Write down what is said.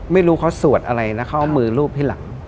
ไม่รู้เขาสวดอะไรนะเขาเอามือรูปให้หลัง